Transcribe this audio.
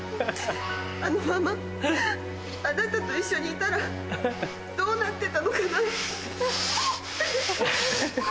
あのままあなたと一緒にいたらどうなってたのかな。